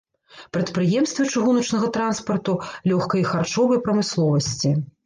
Прадпрыемствы чыгуначнага транспарту, лёгкай і харчовай прамысловасці.